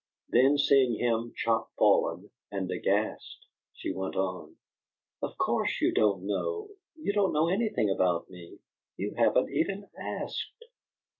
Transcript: Then seeing him chopfallen and aghast, she went on: "Of course you don't know! You don't know anything about me. You haven't even asked!"